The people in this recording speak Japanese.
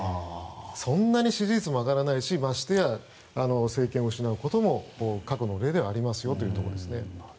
そんなに支持率も上がらないしましてや政権を失うことも過去の例ではありますよというところですね。